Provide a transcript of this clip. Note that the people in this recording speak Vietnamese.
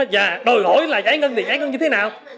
và đòi hỏi là giải ngân thì giải ngân như thế nào